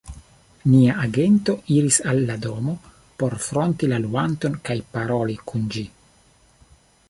nia agento iris al la domo por fronti la luanton kaj paroli kun ĝi.